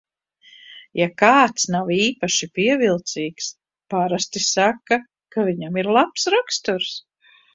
Ja kāds nav īpaši pievilcīgs, parasti saka, ka viņam ir labs raksturs.